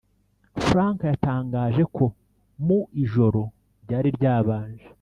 Frank yatangaje ko mu ijoro ryari ryabanje